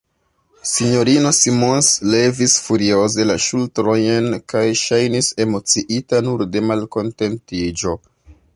S-ino Simons levis furioze la ŝultrojn, kaj ŝajnis emociita nur de malkontentiĝo.